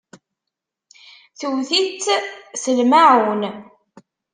Tewwet-itt, s lmaɛun.